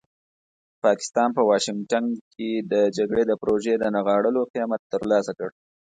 پاکستان په واشنګټن کې د جګړې د پروژې د نغاړلو قیمت ترلاسه کړ.